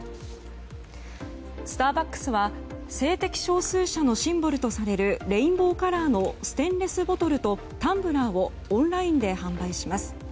スターバックスは性的少数者のシンボルとされるレインボーカラーのステンレスボトルとタンブラーをオンラインで販売します。